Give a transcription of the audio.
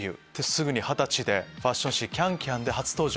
すぐに二十歳でファッション誌『ＣａｎＣａｍ』で初登場。